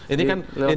ini kan menanggung